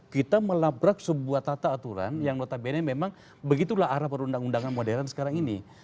kita melabrak sebuah tata aturan yang notabene memang begitulah arah perundang undangan modern sekarang ini